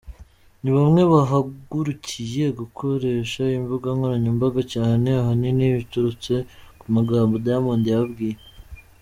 ni bamwe bahagurukiye gukoresha imbuga nkoranyambaga cyane ahanini biturutse ku magambo Diamond yababwiye.